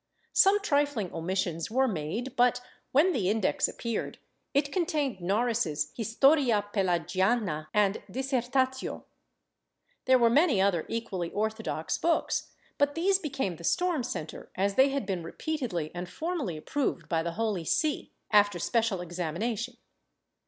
Some trifling omissions were made but, when the Index appeared, it contained Noris's Historia Pelagiana and Dissertatio. There were many other equally orthodox books, but these became the storm centre as they had been repeatedly and formally approved by the Holy See, after special examination.